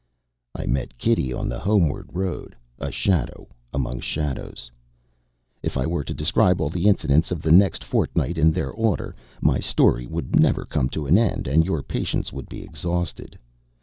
I met Kitty on the homeward road a shadow among shadows. If I were to describe all the incidents of the next fortnight in their order, my story would never come to an end; and your patience would be exhausted.